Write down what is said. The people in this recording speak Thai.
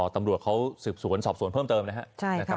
ตำรวจเขาสืบสวนสอบสวนเพิ่มเติมนะครับ